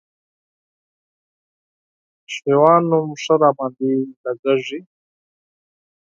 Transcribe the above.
شېوان نوم ښه راباندي لګېږي